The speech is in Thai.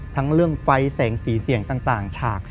ทั้งเรื่องไฟแสงสีเสียงต่างฉาก